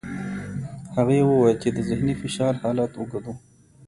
هغې وویل چې د ذهني فشار حالت اوږد و.